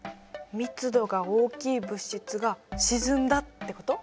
密度が大きい物質が沈んだってこと？